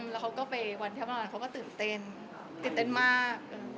แล้วเขาก็ไปวันที่ประมาณเขาก็ตื่นเต้นตื่นเต้นมาก